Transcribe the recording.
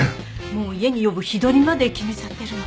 もう家に呼ぶ日取りまで決めちゃってるの。